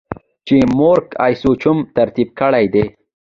چې Mark Isham ترتيب کړې ده.